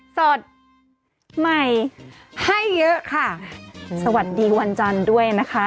สดใหม่ให้เยอะค่ะสวัสดีวันจันทร์ด้วยนะคะ